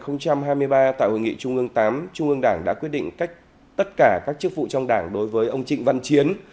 năm hai nghìn hai mươi ba tại hội nghị trung ương viii trung ương đảng đã quyết định cách tất cả các chức vụ trong đảng đối với ông trịnh văn chiến